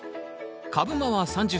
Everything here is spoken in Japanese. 株間は３０ｃｍ。